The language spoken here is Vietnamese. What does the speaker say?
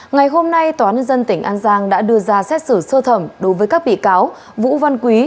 ngày hôm nay tòa án nhân dân tỉnh an giang đã đưa ra xét xử sơ thẩm đối với các bị cáo vũ văn quý